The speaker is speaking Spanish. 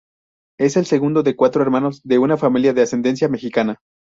Es el segundo de cuatro hermanos de una familia de ascendencia mexicana.